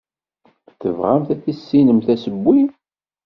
Tebɣamt ad tissinemt asewwi.